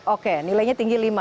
oke nilainya tinggi lima